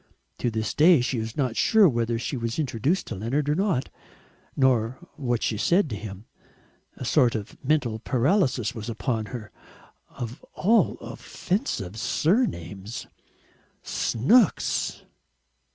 To this day she is not sure whether she was introduced to Leonard or not, nor what she said to him. A sort of mental paralysis was upon her. Of all offensive surnames Snooks!